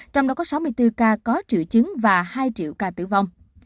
trong đó có sáu mươi bốn ca có triệu chứng